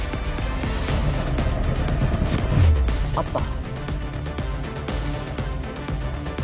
あった